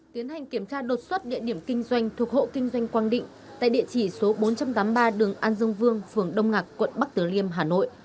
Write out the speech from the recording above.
tiến hành kiểm tra đột xuất địa điểm kinh doanh thuộc hộ kinh doanh quang định tại địa chỉ số bốn trăm tám mươi ba đường an dương vương phường đông ngạc quận bắc tử liêm hà nội